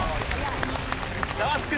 ザワつく！